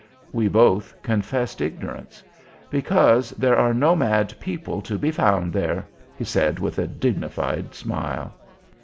We both confessed ignorance. "Because there are nomad people to be found there," he said, with a dignified smile.